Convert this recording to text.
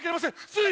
つい。